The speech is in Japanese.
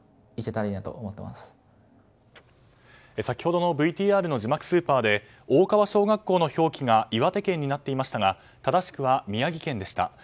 先ほどのＶＴＲの字幕スーパーで大川小学校の表記が岩手県になっていましたが正しくは宮城県でした。